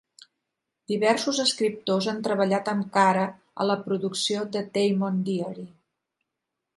Diversos escriptors han treballat amb Kara a la producció de "Demon Diary".